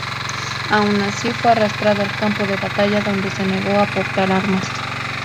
Aun así, fue arrastrado al campo de batalla dónde se negó a portar armas.